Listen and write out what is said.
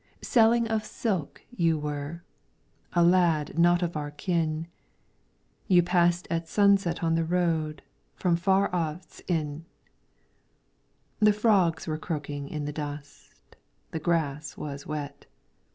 Selling of silk you were, a lad Not of our kin ; You passed at sunset on the road From far off Ts'in. The frogs were croaking in the dusk ; The grass was wet.